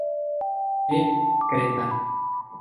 De Creta.